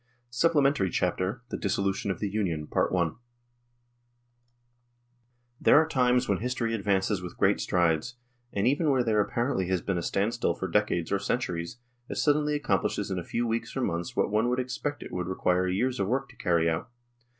SUPPLEMENTARY CHAPTER THE DISSOLUTION OF THE UNION THERE are times when history advances with great strides, and even where there apparently has been a standstill for decades or centuries it suddenly accomplishes in a few weeks or months what one would expect it would require years of work to carry out.